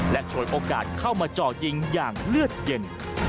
ฉวยโอกาสเข้ามาเจาะยิงอย่างเลือดเย็น